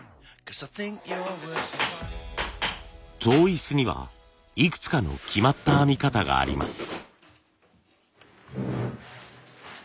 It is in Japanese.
籐椅子にはいくつかの決まった編み方があります。